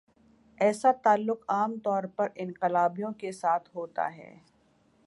ایسا تعلق عام طور پر انقلابیوں کے ساتھ ہوتا ہے۔